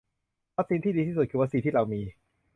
วัคซีนที่ดีที่สุด คือวัคซีนที่เรามี